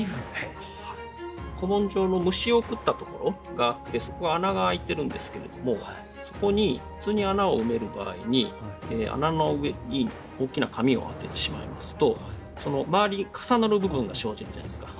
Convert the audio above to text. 古文書の虫を食ったところがあってそこが穴が開いてるんですけれどもそこに普通に穴を埋める場合に穴の上に大きな紙を当ててしまいますとその周りに重なる部分が生じるじゃないですか。